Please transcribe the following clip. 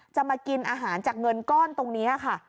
มากินอาหารจากเงินก้อนตรงนี้ค่ะ